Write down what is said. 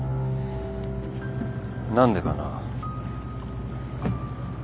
何でかな。